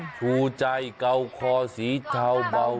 ชูใจเก่าคอสีเทาเบา